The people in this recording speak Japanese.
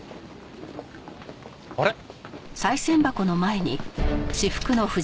あれっ？